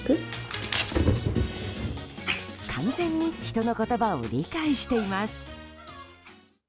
完全に人の言葉を理解しています。